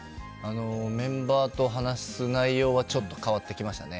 メンバーと話す内容がちょっと変わってきましたね。